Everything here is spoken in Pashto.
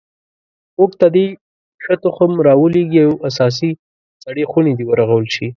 موږ ته دې ښه تخم را ولیږي او اساسي سړې خونې دې ورغول شي